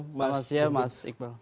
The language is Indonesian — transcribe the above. selamat siang mas iqbal